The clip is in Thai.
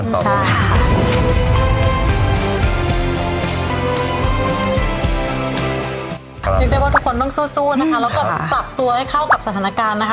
เรียกได้ว่าทุกคนต้องสู้นะคะแล้วก็ปรับตัวให้เข้ากับสถานการณ์นะคะ